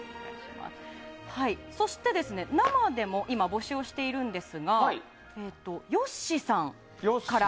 そして、生でも今募集をしているんですがよっしさんから。